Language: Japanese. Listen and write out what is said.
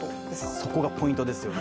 そこがポイントですよね。